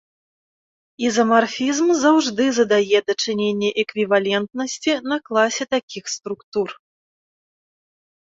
Ізамарфізм заўжды задае дачыненне эквівалентнасці на класе такіх структур.